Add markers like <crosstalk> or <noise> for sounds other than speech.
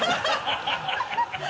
ハハハ <laughs>